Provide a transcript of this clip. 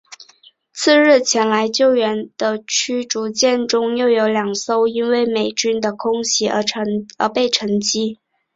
次日前来救援的驱逐舰中又有两艘因为美军的空袭而被击沉。